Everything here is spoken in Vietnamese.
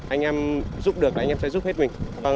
anh em giúp được là anh em sẽ giúp hết mình